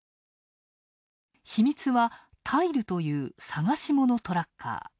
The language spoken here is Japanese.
秘密はタイルという探し物トラッカー。